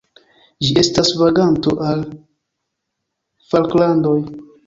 Ĝi estas vaganto al Falklandoj.